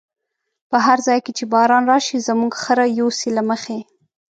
په هر ځای چی باران راشی، زموږ خره يوسی له مخی